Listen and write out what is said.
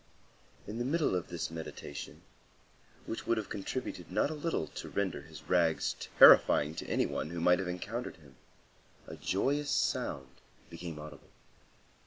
In the middle of this meditation, which would have contributed not a little to render his rags terrifying to any one who might have encountered him, a joyous sound became audible.